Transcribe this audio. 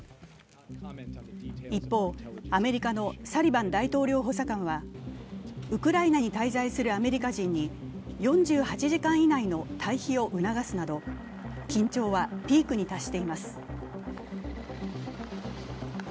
一方、アメリカのサリバン大統領補佐官はウクライナに滞在するアメリカ人に４８時間以内の退避を促すなど緊張はピークに達しています。